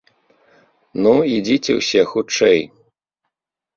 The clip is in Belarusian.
Ну, ідзіце ўсе, хутчэй!